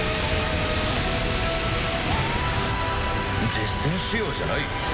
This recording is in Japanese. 実戦仕様じゃない？